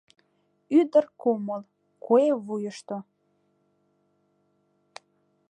Ӱдыр кумыл - куэ вуйышто.